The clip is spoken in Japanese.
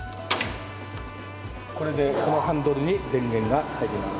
これでこのハンドルに電源が入ります。